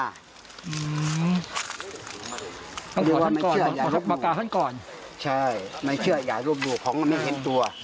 หรือว่าไม่เชื่ออย่าร่วมดูใช่ไม่เชื่ออย่าร่วมดูของมันไม่เห็นตัว